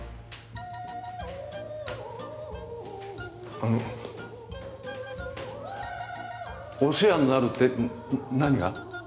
あのお世話になるって何が？